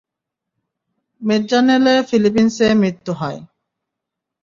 ম্যেজালেনের ফিলিপিন্সে মৃত্যু হয়।